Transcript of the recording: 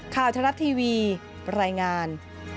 ข่าวทรัพย์ทีวีปรายงาน